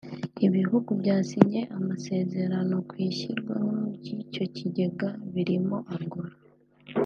Ibihugu byasinye amasezerano ku ishyirwaho ry’icyo kigega birimo Angola